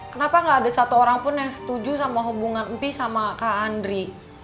kenapa gak ada satu orang pun yang setuju sama hubungan mimpi sama kak andri